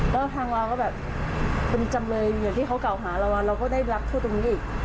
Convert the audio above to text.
ก็ทางเราก็แบบคุณจำเลยอยู่อย่างที่เขาเก่าหาเราว่าเราก็ได้รับคุณตรงนี้อีก